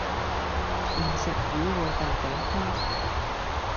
唔食魚會大頸泡